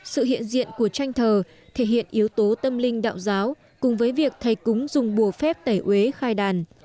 sự hiện diện của tranh thờ thể hiện yếu tố tâm linh đạo giáo cùng với việc thầy cúng dùng bùa phép tẩy uế khai đàn